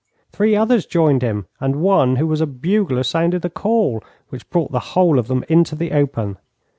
Three others joined him, and one who was a bugler sounded a call, which brought the whole of them into the open.